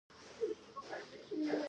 د انګورو د تاکونو ترمنځ فاصله څومره وي؟